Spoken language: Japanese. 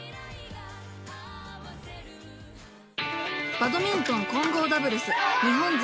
バドミントン混合ダブルス日本勢